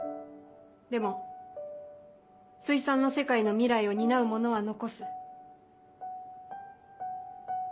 でも水産の世界の未来を担うものは残す。